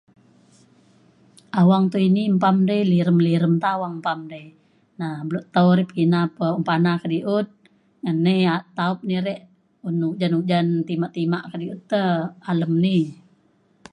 awang tau ini mpam lirem lirem ta awang mpam dai na beletau ri pekina pa pana kedi’ut ngan ni taup ni re un ujan ujan timak timak kedi’ut te alem ni